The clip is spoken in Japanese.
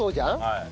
はい。